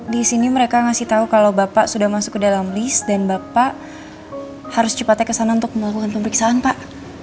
disini mereka ngasih tau kalau bapak sudah masuk ke dalam list dan bapak harus cepatnya kesana untuk melakukan pemeriksaan pak